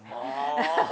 あハハハ！